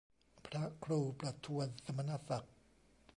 พระครูประทวนสมณศักดิ์